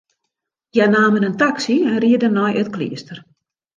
Hja namen in taksy en rieden nei it kleaster.